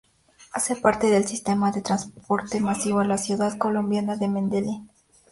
Hace parte del sistema de transporte masivo de la ciudad colombiana de Medellín.